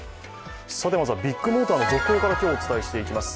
まずはビッグモーターの続報から今日、お伝えしていきます。